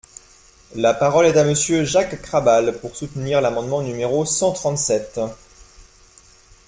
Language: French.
La parole est à Monsieur Jacques Krabal, pour soutenir l’amendement numéro cent trente-sept.